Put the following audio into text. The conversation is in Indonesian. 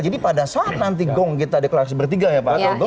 jadi pada saat nanti gong kita deklarasi bertiga ya pak